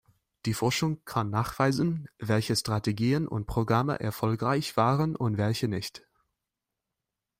Die Forschung kann nachweisen, welche Strategien und Programme erfolgreich waren und welche nicht.